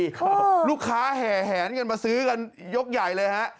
โฮค่ะนะครับลูกค้าแห่งกันไปซื้อกันยกใหญ่เลยฮะ